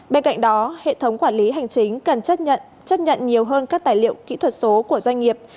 bên cạnh đó hệ thống quản lý hành chính cần chấp nhận chấp nhận nhiều hơn các tài liệu kỹ thuật số của doanh nghiệp